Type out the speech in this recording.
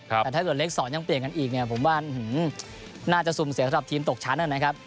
แต่ถ้าเกิดเล็กสอนยังเปลี่ยนกันอีกเนี่ยผมว่าน่าจะสุ่มเสียสำหรับทีมตกชั้นนะครับ